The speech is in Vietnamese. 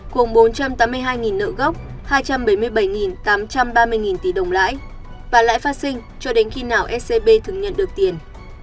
cùng bốn trăm tám mươi hai nợ gốc hai trăm bảy mươi bảy tám trăm ba mươi tỷ đồng lãi và lãi phát sinh cho đến khi nào scb thường nhận được tiền